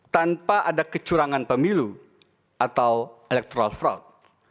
tanpa ada kecurangan pemilu atau electoral fraud